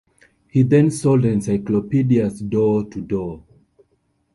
He then sold encyclopedias door-to-door.